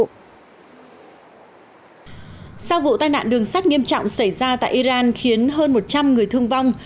sau vụ tai nạn đường sắt nghiêm trọng xảy ra tại iran khiến hơn một trăm linh người thương vong